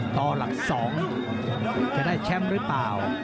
ต่อหลัก๒จะได้แชมป์หรือเปล่า